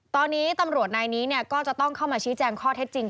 ตอนนี้ตำรวจนายนี้ก็จะต้องเข้ามาชี้แจงข้อเท็จจริง